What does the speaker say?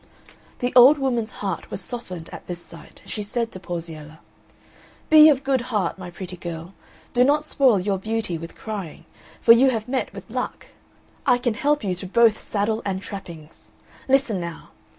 The old woman's heart was softened at this sight and she said to Porziella, "Be of good heart, my pretty girl, do not spoil your beauty with crying, for you have met with luck; I can help you to both saddle and trappings. Listen, now.